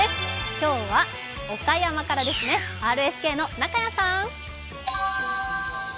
今日は岡山からですね、ＲＳＫの中屋さん。